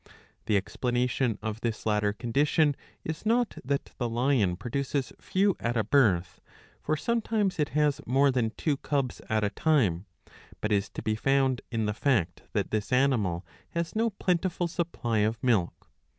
The explanation of this latter condition is not that the lion produces few at a birth, for sometimes it has more than two cubs at a time, but is to be found in the fact that this animal has no plentiful supply of milk.